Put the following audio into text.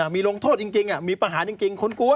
มีลงโทษจริงมีประหารจริงคนกลัว